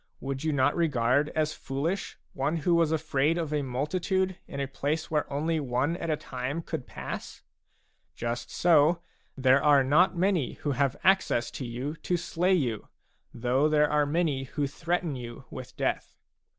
Would you not regard as foolish one who was afraid of a multitude in a place where only one at a time could pass ? Just so, there are not many who have access to you to slay you, though there are many who threaten you with death.